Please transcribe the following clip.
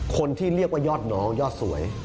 คนที่เรียกว่ายอดน้องยอดสวย